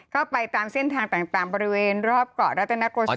ก็ไปตามเส้นทางต่างบริเวณรอบเกาะรัตนโกศิล